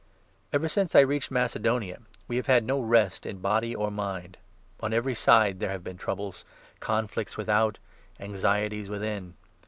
Ever since we reached Macedonia, we have had no rest in 5 body or mind ; on every side there have been troubles — conflicts without, anxieties within.